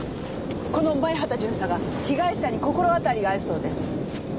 この前畑巡査が被害者に心当たりがあるそうです。